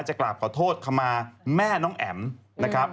กราบขอโทษขมาแม่น้องแอ๋มนะครับ